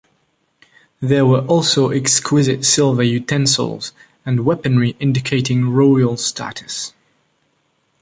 There were also exquisite silver utensils and weaponry indicating royal status.